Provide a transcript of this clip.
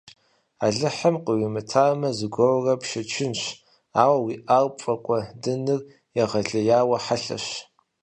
Алыхьым къуимытамэ, зыгуэрурэ пшэчынщ, ауэ уиӀар пфӀэкӀуэдыныр егъэлеяуэ хьэлъэщ.